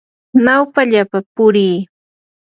nawpallapa purii.